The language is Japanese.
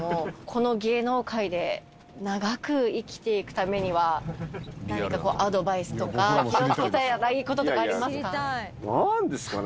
この芸能界で長く生きていくためには何かアドバイスとか気をつけた方がいい事とかありますか？